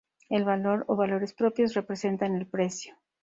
El valor o valores propios representan el precio.